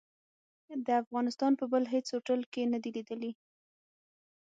د افغانستان په بل هيڅ هوټل کې نه دي ليدلي.